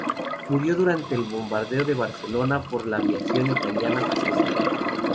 Murió durante el bombardeo de Barcelona por la aviación italiana fascista.